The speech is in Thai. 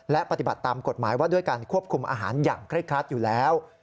และปฏิบัติตามกฎหมายว่าด้วยการควบคุมอาหารอย่างเคร่งครัดอยู่แล้ว